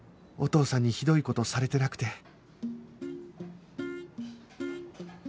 お父さんにひどい事されてなくて